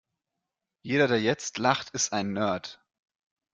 Jeder, der jetzt lacht, ist ein Nerd.